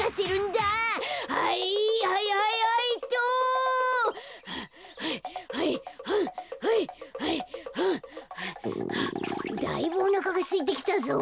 だいぶおなかがすいてきたぞ。